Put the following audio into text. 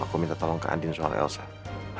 namun satu ratusan di mana kedua karena takie rutin